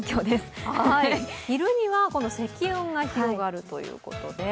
昼にはこの積雲が広がるということで。